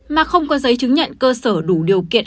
mà không có giấy chứng nhận cơ sở đủ điều kiện